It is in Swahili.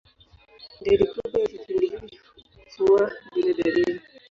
Idadi kubwa ya vipindi hivi huwa bila dalili.